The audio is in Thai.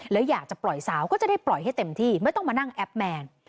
แล้วอยากจะปล่อยสาวก็จะได้ปล่อยให้เต็มที่ไม่ต้องมานั่งแอปแมน